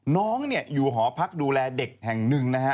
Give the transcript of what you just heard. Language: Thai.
น้องอยู่หอพักดูแลเด็กแห่งหนึ่งนะฮะ